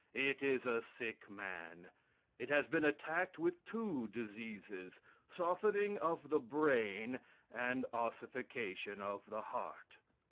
It is a sick man. It has been attacked with two diseases softening of the brain and ossification of the heart.